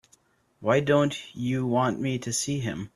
Why don't you want me to see him?